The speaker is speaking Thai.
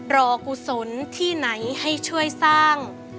กุศลที่ไหนให้ช่วยสร้าง